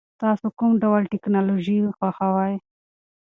تاسو کوم ډول ټیکنالوژي خوښوئ؟